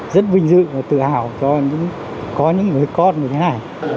rất vinh dự và tự hào cho có những người con như thế này